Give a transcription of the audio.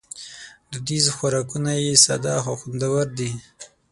دودیز خوراکونه یې ساده خو خوندور دي.